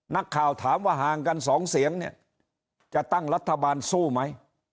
นักข่าวถามว่าห่างกันสองเสียงเนี่ยจะตั้งรัฐบาลสู้ไหม